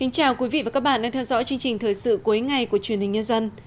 chào mừng quý vị đến với bộ phim thời sự cuối ngày của chuyên hình nhân dân